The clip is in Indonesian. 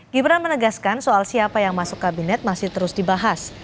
gibran menegaskan soal siapa yang masuk kabinet masih terus dibahas